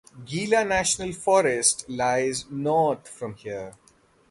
Gila National Forest lies north from here.